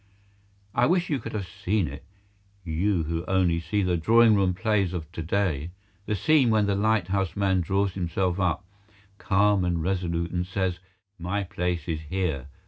I wish you could have seen it—you who only see the drawing room plays of to day—the scene when the lighthouse man draws himself up, calm and resolute, and says: "My place is here.